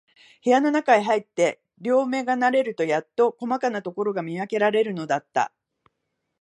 部屋のなかへ入って、両眼が慣れるとやっと、こまかなところが見わけられるのだった。